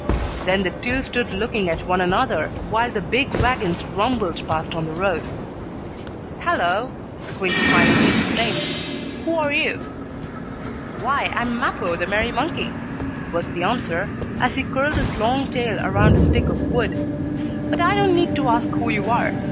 Then the two stood looking at one another, while the big wagons rumbled past on the road. "Hello!" Squinty finally exclaimed. "Who are you?" "Why, I am Mappo, the merry monkey," was the answer, as he curled his long tail around a stick of wood. "But I don't need to ask who you are.